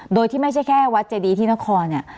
โดยที่ไม่ใช่แค่วัดเจดีที่นครเนี่ย